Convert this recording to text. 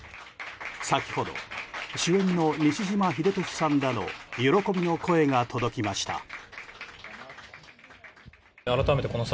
先程、主演の西島秀俊さんらの喜びの声が届きました。